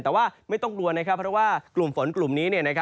แต่ว่าไม่ต้องกลัวนะครับเพราะว่ากลุ่มฝนกลุ่มนี้